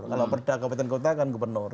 kalau perda kabupaten kota kan gubernur